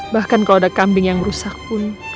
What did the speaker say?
bahkan kalau ada kambing yang rusak pun